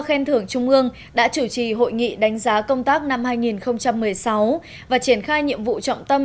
khen thưởng trung ương đã chủ trì hội nghị đánh giá công tác năm hai nghìn một mươi sáu và triển khai nhiệm vụ trọng tâm